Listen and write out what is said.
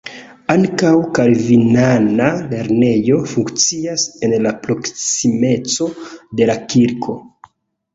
Ankaŭ kalvinana lernejo funkcias en la proksimeco de la kirko.